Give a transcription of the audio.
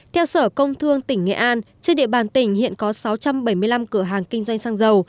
theo sở công thương tỉnh nghệ an trên địa bàn tỉnh hiện có sáu trăm bảy mươi năm cửa hàng kinh doanh xăng dầu